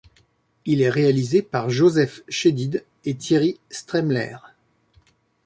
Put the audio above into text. Il est réalisé par Joseph Chédid et Thierry Stremler.